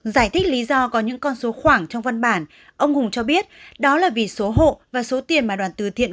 giải thích lý do có những con số khoảng trong văn bản ông hùng cho biết đó là vì số hộ và số tiền mà đoàn từ thiện